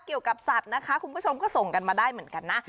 เกี่ยวกับสัตว์นะคะคุณผู้ชมก็ส่งกันมาได้เหมือนกันนะ